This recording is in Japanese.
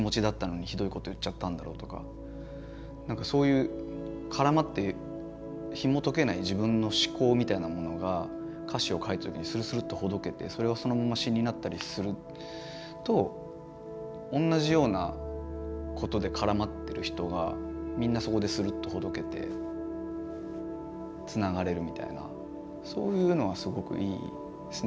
なんかそういう絡まってひもとけない自分の思考みたいなものが歌詞を書いた時にスルスルッとほどけてそれをそのまま詞になったりすると同じようなことで絡まってる人がみんなそこでスルッとほどけてつながれるみたいなそういうのはすごくいいですね。